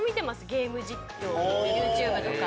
ゲーム実況ＹｏｕＴｕｂｅとか。